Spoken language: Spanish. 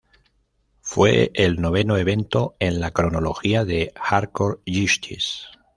Fue el noveno evento en la cronología de Hardcore Justice.